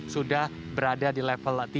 sudah berada di level tiga